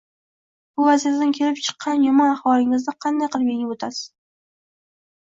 Bu vaziyatdan kelib chiqqan yomon ahvolingizni qanday qilib yengib o’tasiz